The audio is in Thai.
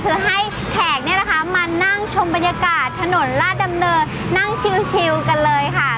คือให้แขกเนี่ยนะคะมานั่งชมบรรยากาศถนนราชดำเนินนั่งชิวกันเลยค่ะ